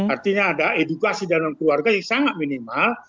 artinya ada edukasi dalam keluarga yang sangat minimal